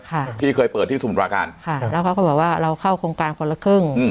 ค่ะที่เคยเปิดที่สมุทราการค่ะแล้วเขาก็บอกว่าเราเข้าโครงการคนละครึ่งอืม